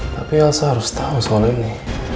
tapi yansa harus tau soal ini